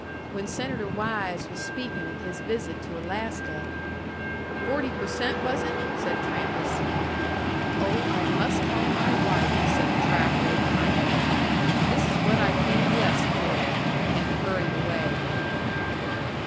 When Senator Wise was speaking of his visit to Alaska " "Forty per cent, was it?" said Trampas. "Oh, I must call my wife," said the traveller behind me. "This is what I came West for." And he hurried away.